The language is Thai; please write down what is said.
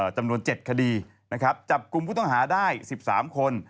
จำนวน๗คดีนะครับจับกลุ่มผู้ต้องหาได้๑๓คน